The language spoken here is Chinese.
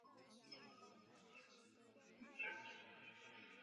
学院按照教育部所要求的对外汉语教学体系和教学标准授课。